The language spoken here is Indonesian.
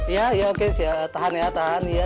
iya iya oke tuhan ya tahan ya